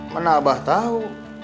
mana abah tau